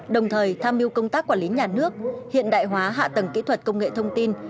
đồng thời tham mưu công tác quản lý nhà nước hiện đại hóa hạ tầng kỹ thuật công nghệ thông tin